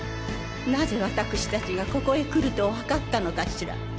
なぜわたくしたちがここへ来るとわかったのかしら？